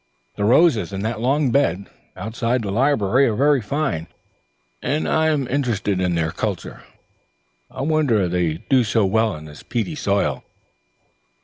"The roses in that long bed outside the library are very fine, and I am interested in their culture. I wonder they do so well in this peaty soil."